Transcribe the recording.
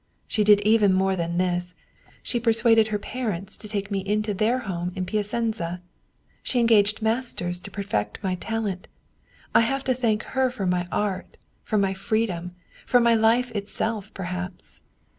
She did even more than this: she per suaded her parents to take me into their home in Pia cenza. She engaged masters to perfect my talent. I have to thank her for my art, for my freedom, for my life itself, perhaps.